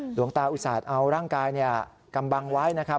หลวงตาอุตส่าห์เอาร่างกายกำบังไว้นะครับ